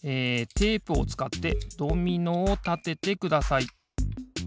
テープをつかってドミノをたててください。